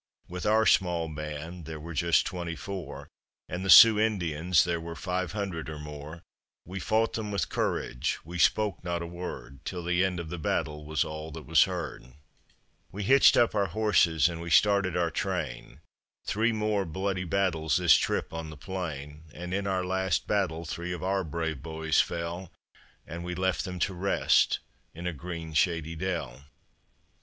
With our small band, there were just twenty four, And the Sioux Indians there were five hundred or more, We fought them with courage; we spoke not a word, Till the end of the battle was all that was heard. We hitched up our horses and we started our train; Three more bloody battles this trip on the plain; And in our last battle three of our brave boys fell, And we left them to rest in a green, shady dell.